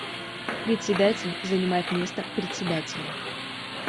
Председатель занимает место Председателя.